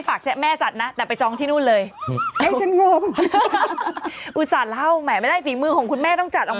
แต่ลูกค้าส่วนใหญ่ก็จะบอกว่าให้ลูกจ้างจัด